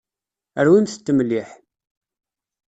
Rwimt-t mliḥ.